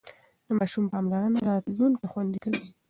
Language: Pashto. د ماشوم پاملرنه راتلونکی خوندي کوي.